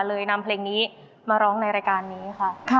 นำเพลงนี้มาร้องในรายการนี้ค่ะ